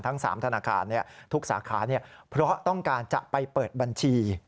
ทั้ง๓ธนาคารทุกสาขาเพราะต้องการจะไปเปิดบัญชี